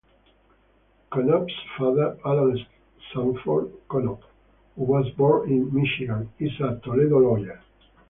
Konop's father, Alan Sanford Konop, who was born in Michigan is a Toledo lawyer.